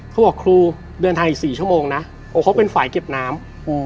เขาบอกครูเดือนไทย๔ชั่วโมงนะเขาเป็นฝ่ายเก็บน้ำ